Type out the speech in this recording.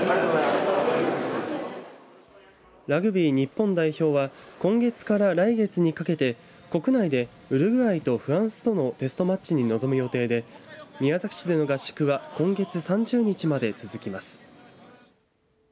ラグビー日本代表は今月から来月にかけて国内でウルグアイとフランスとのテストマッチに臨む予定で宮崎市での合宿は今月３０日まで続きます。